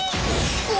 うわ！